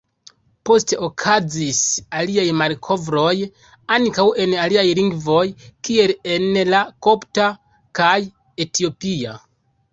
Poste okazis aliaj malkovroj ankaŭ en aliaj lingvoj kiel en la kopta kaj etiopia.